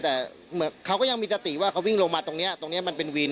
แต่เหมือนเขาก็ยังมีสติว่าเขาวิ่งลงมาตรงนี้ตรงนี้มันเป็นวิน